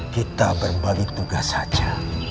kita berbagi tugas saja